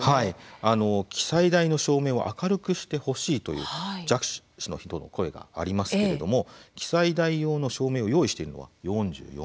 「記載台の照明を明るくしてほしい」という弱視の人の声がありますけれども記載台用の照明を用意しているのは４４％。